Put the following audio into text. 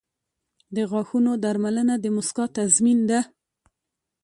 • د غاښونو درملنه د مسکا تضمین ده.